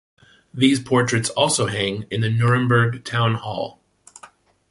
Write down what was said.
These portraits also hang in the Nuremberg town hall.